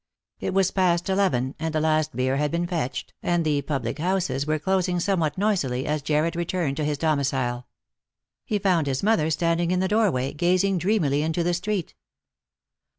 It was past 302 JLost for Love. eleven, and the last beer had been fetched, and the public houses were closing somewhat noisily, as Jarred returned to his domi cile. He found his mother standing in the doorway, gazing dreamily into the street.